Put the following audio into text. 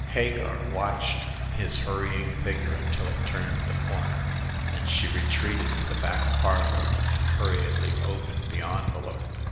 Hagar watched his hurrying figure until it turned the corner ; then she retreated to the back parlor, and hurriedly opened the envel ope.